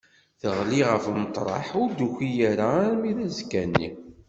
Teɣli ɣef umeṭreḥ ur d-tuki ara armi d azekka-nni.